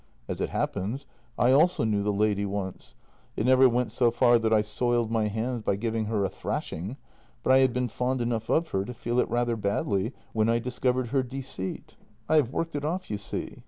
As it happens, I also knew the lady once. It never went so far that I soiled my hands by giving her a thrashing, but I had been fond enough of her to feel it rather badly when I discovered her deceit. I have worked it off, you see.